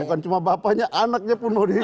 bukan cuma bapaknya anaknya pun mau dihaui